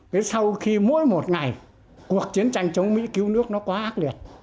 thế sau khi mỗi một ngày cuộc chiến tranh chống mỹ cứu nước nó quá ác liệt